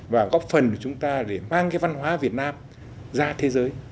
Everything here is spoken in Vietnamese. và góp phần của chúng ta để mang cái văn hóa việt nam ra thế giới